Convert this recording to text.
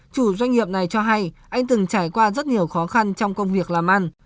chủ doanh nghiệp này cho hay anh từng trải qua rất nhiều khó khăn trong công việc làm ăn